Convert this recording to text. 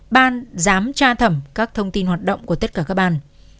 ban giám tra thẩm các thông tin hoạt động của tất cả các ban